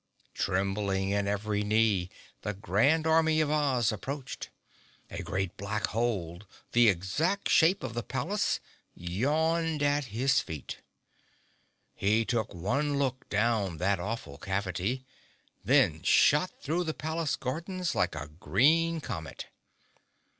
Trembling in every knee, the Grand Army of Oz approached. A great black hole, the exact shape of the palace, yawned at his feet. He took one look down that awful cavity, then shot through the palace gardens like a green comet.